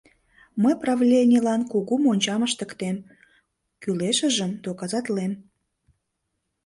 Мый правленьылан кугу мончам ыштыктем, кӱлешыжым доказатлем.